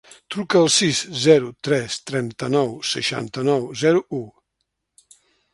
Truca al sis, zero, tres, trenta-nou, seixanta-nou, zero, u.